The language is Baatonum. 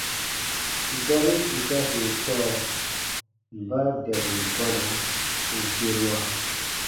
Gari itase sɔɔ: mba dɛburu gɔna u gerua?